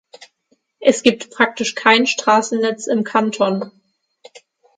Es gibt praktisch kein Straßennetz im Kanton.